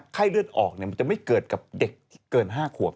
ไข้เลือดออกมันจะไม่เกิดกับเด็กที่เกิน๕ขวบ